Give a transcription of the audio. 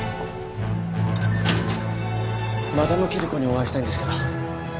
マダムキリコにお会いしたいんですけど。